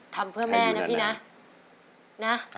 ทำเพื่อแม่นะพี่นะ